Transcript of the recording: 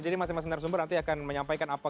jadi masing masing narasumber nanti akan menyampaikan apa